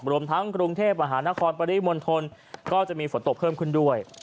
รวมทั้งกรุงเทพมหานครปริมณฑลก็จะมีฝนตกเพิ่มขึ้นด้วย